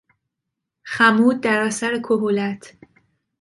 خمود در اثر کهولت